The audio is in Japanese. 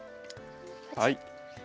はい。